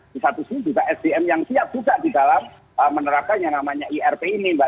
di satu sini juga sdm yang siap juga di dalam menerapkan yang namanya irp ini mbak